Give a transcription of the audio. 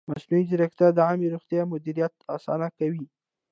مصنوعي ځیرکتیا د عامې روغتیا مدیریت اسانه کوي.